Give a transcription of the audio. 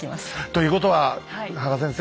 ということは芳賀先生